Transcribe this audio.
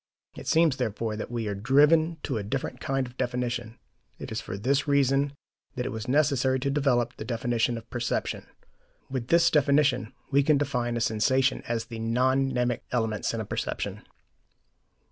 It seems, therefore, that we are driven to a different kind of definition. It is for this reason that it was necessary to develop the definition of perception. With this definition, we can define a sensation as the non mnemic elements in a perception.